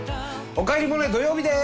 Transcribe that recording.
「おかえりモネ」土曜日です。